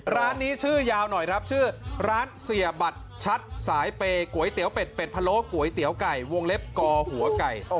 ร้านนี้ชื่อยาวหน่อยครับชื่อร้านเสียบัตรชัดสายเปย์ก๋วยเตี๋ยวเป็ดเป็ดพะโลก๋วยเตี๋ยวไก่วงเล็บกอหัวไก่